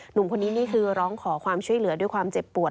หนุ่มคนนี้นี่คือร้องขอความช่วยเหลือด้วยความเจ็บปวด